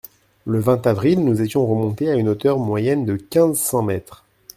Le vingt avril, nous étions remontés à une hauteur moyenne de quinze cents mètres.